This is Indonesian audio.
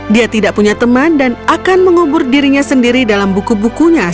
dia tidak punya teman dan akan mengubur dirinya sendiri dalam buku bukunya